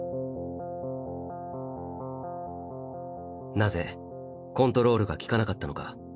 なぜコントロールが利かなかったのか。